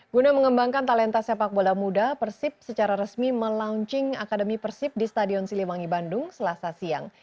guna mengembangkan talenta sepak bola muda persib secara resmi melaunching akademi persib di stadion siliwangi bandung selasa siang